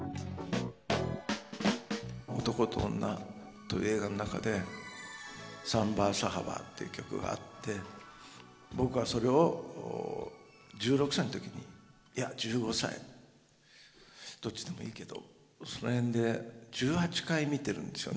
「男と女」という映画の中で「サンバ・サラヴァ」という曲があって僕はそれを１６歳の時にいや１５歳どっちでもいいけどその辺で１８回見てるんですよね。